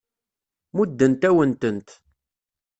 Muddent-awen-tent.